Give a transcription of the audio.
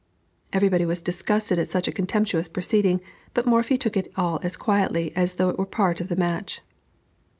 Everybody was disgusted at such a contemptuous proceeding, but Morphy took it all as quietly as though it were a part of the match.